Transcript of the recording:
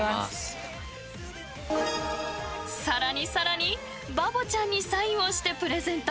更に更に、バボちゃんにサインをしてプレゼント。